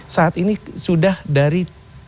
saat ini sudah dari